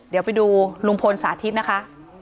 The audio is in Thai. เดี๋ยวไปดูลุงพลสาธิตนะคะ